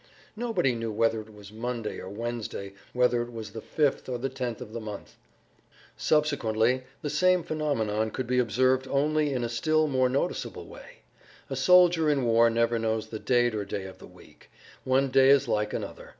Nobody knew whether it was Monday or Wednesday, whether it was the fifth or the tenth of the month. Subsequently, the same phenomenon could be observed only in a still more noticeable way. A soldier in war never knows the date or day of the week. One day is like another.